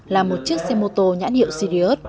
là một chiếc xe mô tô nhãn hiệu cds